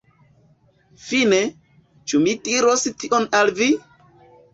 Fine, ĉu mi diros tion al vi?